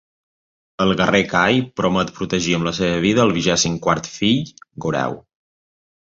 El guerrer Cai promet protegir amb la seva vida al vigèsim-quart fill, Goreu.